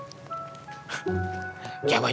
cukup keren ya emas